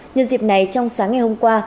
nhân dịp này trong sáng ngày hôm qua